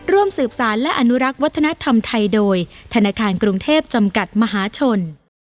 ร่วมสืบสารและอนุรักษ์วัฒนธรรมไทยโดยธนาคารกรุงเทพจำกัดมหาชน